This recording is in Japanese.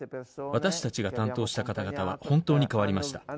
私たちが担当した方々は本当に変わりました。